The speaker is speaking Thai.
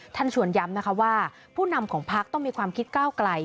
ท่านชวนย้ำนะคะว่าผู้นำของพักต้องมีความคิดก้าวไกล